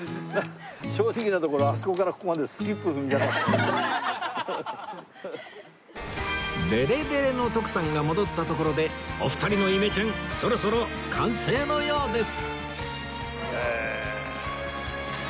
正直なところデレデレの徳さんが戻ったところでお二人のイメチェンそろそろ完成のようです